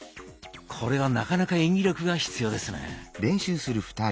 これはなかなか演技力が必要ですね。